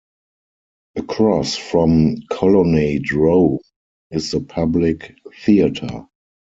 Across from Colonnade Row is The Public Theater.